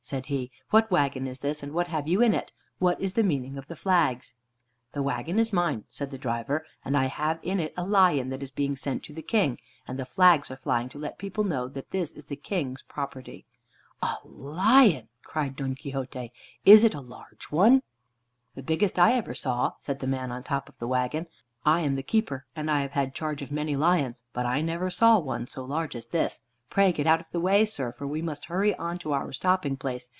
said he. "What wagon is this, and what have you in it? What is the meaning of the flags?" "The wagon is mine," said the driver, "and I have in it a lion that is being sent to the King, and the flags are flying to let the people know that it is the King's property." "A lion!" cried Don Quixote, "Is it a large one?" "The biggest I ever saw," said the man on top of the wagon. "I am the keeper, and I have had charge of many lions, but I never saw one so large as this. Pray get out of the way, sir, for we must hurry on to our stopping place.